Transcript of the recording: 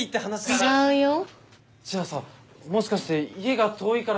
じゃあさもしかして家が遠いから。